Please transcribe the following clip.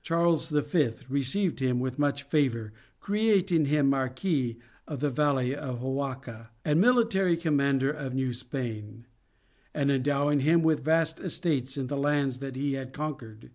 Charles the Fifth received him with much favor creating him Marquis of the Valley of Oaxaca and military commander of New Spain, and endowing him with vast estates in the lands that he had conquered.